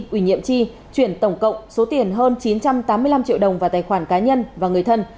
ủy nhiệm chi chuyển tổng cộng số tiền hơn chín trăm tám mươi năm triệu đồng vào tài khoản cá nhân và người thân